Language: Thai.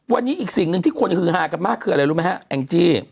วันนี้อีกสิ่งหนึ่งที่คนฮือฮากันมากคืออะไรรู้ไหมฮะแองจี้